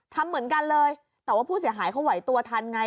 ทำเหมือนกันเลยแต่ว่าผู้เสียหายเขาไหวตัวทันไง